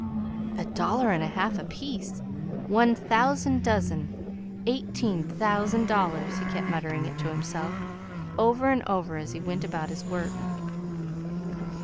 A dollar 'n a half apiece one thousand dozen eighteen thousand dollars!" he kept muttering it to himself, over and over, as he went about his work.